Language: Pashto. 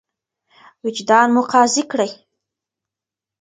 وجدان مو قاضي کړئ.